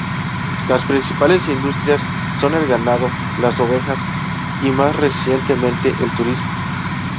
Las principales industrias son el ganado, las ovejas y, más recientemente, el turismo.